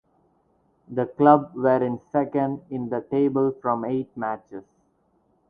The club were in second in the table from eight matches.